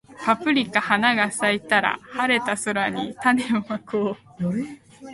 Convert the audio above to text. パプリカ花が咲いたら、晴れた空に種をまこう